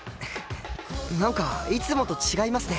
なんかいつもと違いますね。